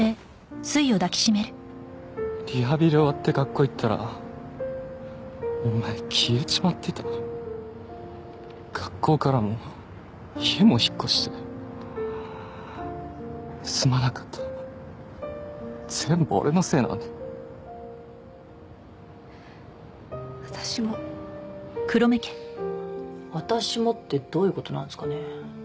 リハビリ終わって学校行ったらお前消えちまってた学校からも家も引っ越してすまなかった全部俺のせいなのに私も「私も」ってどういうことなんですかね？